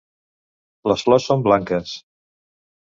Les flors són blanques.